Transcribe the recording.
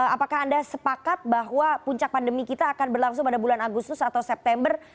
apakah anda sepakat bahwa puncak pandemi kita akan berlangsung pada bulan agustus atau september